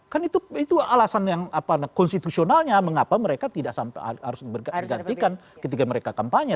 kan itu alasan yang konstitusionalnya mengapa mereka tidak harus bergantikan ketika mereka kampanye